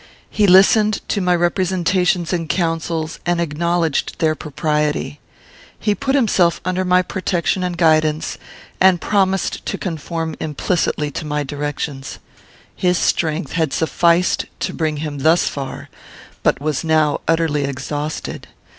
He listened to my representations and counsels, and acknowledged their propriety. He put himself under my protection and guidance, and promised to conform implicitly to my directions. His strength had sufficed to bring him thus far, but was now utterly exhausted.